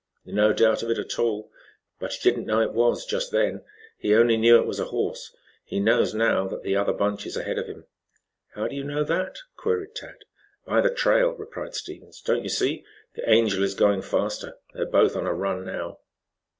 "No doubt of it at all. But he didn't know it was just then. He only knew it was a horse. He knows now that the other bunch is ahead of him." "How do you know that?" queried Tad. "By the trail," replied Stevens. "Don't you see, the Angel is going faster. They are both on a run now."